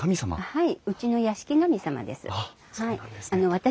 はい。